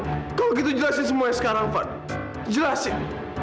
iya kakak berimilah sama kakak